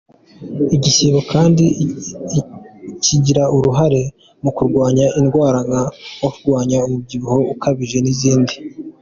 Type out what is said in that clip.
Igisibo kandi kigira uruhare mu kurwanya indwara nko kurwanya umubyibuho ukabije n’izindi.